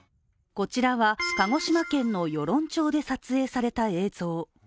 こちらは、鹿児島県の与論町で撮影された映像。